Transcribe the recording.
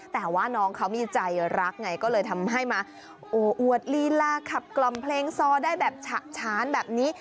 แต่ว่าน้องเขามีใจรักไงก็เลยทำให้มาอวดลีลาขับกล่อมเพลงซอได้แบบฉะฉานแบบนี้